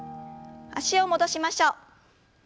脚を戻しましょう。